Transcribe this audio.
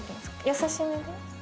優しめで？